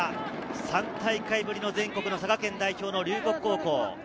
３大会ぶりの全国の佐賀県代表・龍谷高校。